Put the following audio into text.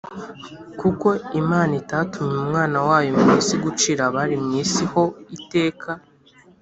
“Kuko Imana itatumye Umwana wayo mu isi gucira abari mu isi ho iteka: